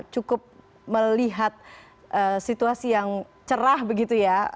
cukup melihat situasi yang cerah begitu ya